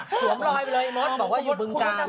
สวมรอยไปเลยมดบอกว่าอยู่บึงกาล